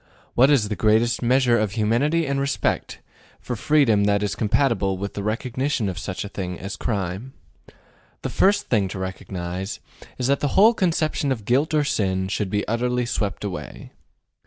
What is the greatest measure of humanity and respect for freedom that is compatible with the recognition of such a thing as crime? The first thing to recognize is that the whole conception of guilt or sin should be utterly swept away.